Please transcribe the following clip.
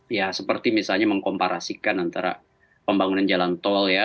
ya seperti misalnya mengkomparasikan antara pembangunan jalan tol ya